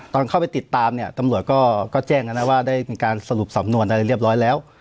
ตอนเข้าไปติดตามเนี่ยตำรวจก็แจ้งแล้วนะว่าได้มีการสรุปสำนวนอะไรเรียบร้อยแล้ว